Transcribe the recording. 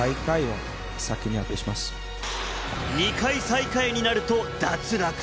２回、最下位になると脱落。